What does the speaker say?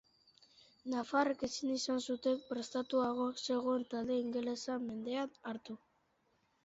Nafarrek ezin izan zuten, prestatuago zegoen talde ingelesa, mendean hartu.